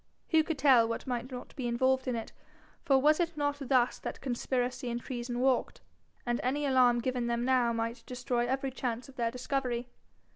Who could tell what might not be involved in it? For was it not thus that conspiracy and treason walked? And any alarm given them now might destroy every chance of their discovery.